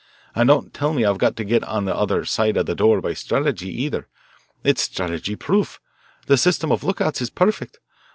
And don't tell me I've got to get on the other side of the door by strategy, either. It is strategy proof. The system of lookouts is perfect.